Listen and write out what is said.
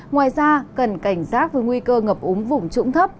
ngoài ra cần cảnh giác với nguy cơ ngập úng vùng trũng thấp